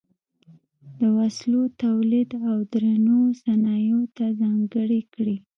د وسلو تولید او درنو صنایعو ته ځانګړې کړې.